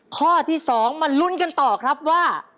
ข้อที่๒มาลุ้นกันต่อครับว่า